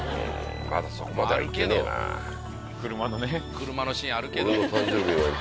車のシーンあるけど。